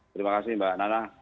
terima kasih mbak nana